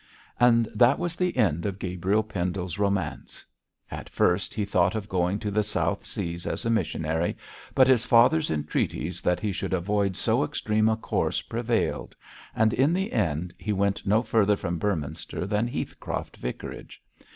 And that was the end of Gabriel Pendle's romance. At first he thought of going to the South Seas as a missionary, but his father's entreaties that he should avoid so extreme a course prevailed, and in the end he went no further from Beorminster than Heathcroft Vicarage.